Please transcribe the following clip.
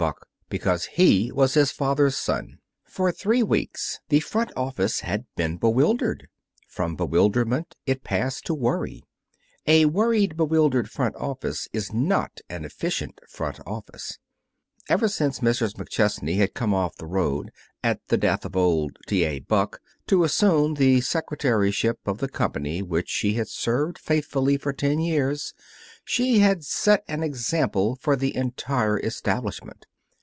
Buck, because he was his father's son. For three weeks the front office had been bewildered. From bewilderment it passed to worry. A worried, bewildered front office is not an efficient front office. Ever since Mrs. McChesney had come off the road, at the death of old T. A. Buck, to assume the secretaryship of the company which she had served faithfully for ten years, she had set an example for the entire establishment.